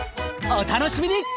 お楽しみに！